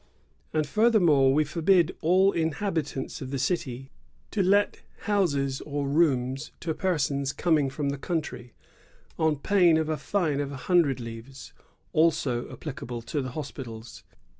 And, furthermore, we forbid all inhabitants of the city to let houses or rooms to persons coming from the country, on pain of a fine of a hundred livres, also appUcable to the hospitals.